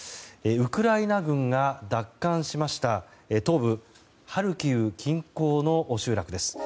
ウクライナ軍が奪還しました東部ハルキウ近郊の集落です。